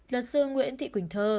luật sư nguyễn thị quỳnh thơ